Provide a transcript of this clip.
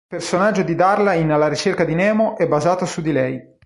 Il personaggio di Darla in "Alla ricerca di Nemo" è basato su di lei.